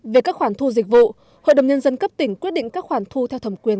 về các khoản thu dịch vụ hội đồng nhân dân cấp tỉnh quyết định các khoản thu theo thẩm quyền